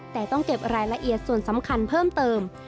แต่ต้องเก็บรายละเอียดส่วนสำคัญเพิ่มเติม